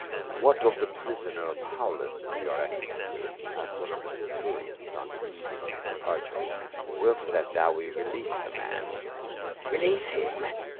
"What of the prisoner, Paulus, your excellency ?" asked one of the centurions on the eve of his depar ture. " Wilt thou that we release the man?" "Release him?